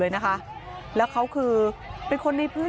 ตอนนี้ก็ไม่มีอัศวินทรีย์ที่สุดขึ้นแต่ก็ไม่มีอัศวินทรีย์ที่สุดขึ้น